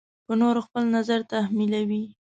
په نورو خپل نظر تحمیلوي.